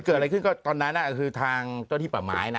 เกิดอะไรขึ้นก็ตอนนั้นคือทางเจ้าที่ป่าไม้นะ